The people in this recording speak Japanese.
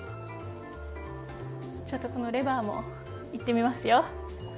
ちょっと、このレバーもいってみますよ。